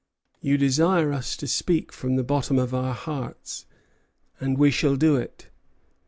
You desire us to speak from the bottom of our hearts, and we shall do it.